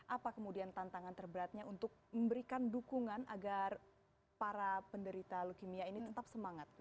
apa kemudian tantangan terberatnya untuk memberikan dukungan agar para penderita leukemia ini tetap semangat